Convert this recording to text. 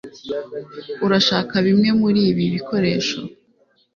Urashaka bimwe muri ibi bikoresho